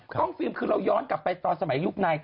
กล้องฟิล์มคือเราย้อนกลับไปตอนสมัยยุคใน